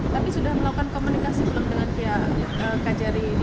tapi sudah melakukan komunikasi belum dengan pihak kjri